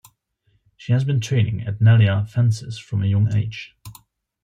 She has been training at Nellya fencers from a young age.